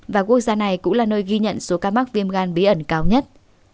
và quốc gia này cũng là nơi ghi nhận số ca mắc viêm gan bí ẩn cao nhất